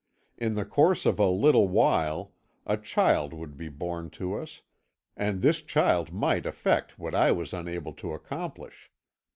In the course of a little while a child would be born to us, and this child might effect what I was unable to accomplish.